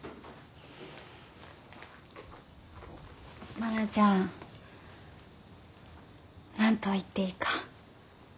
真菜ちゃん。何と言っていいか。